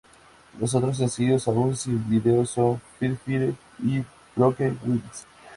Los otros sencillos, aún sin videos, son: "Fire Fire" y "Broken Wings".